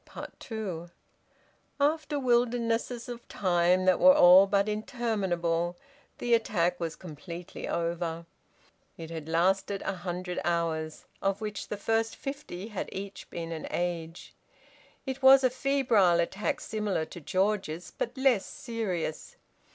TWO. After wildernesses of time that were all but interminable, the attack was completely over. It had lasted a hundred hours, of which the first fifty had each been an age. It was a febrile attack similar to George's, but less serious.